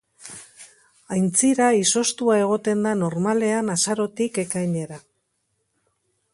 Aintzira izoztua egoten da normalean Azarotik ekainera.